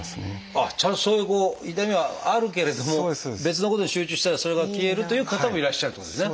あっちゃんとそういうこう痛みはあるけれども別のことに集中してたらそれが消えるという方もいらっしゃるってことですね。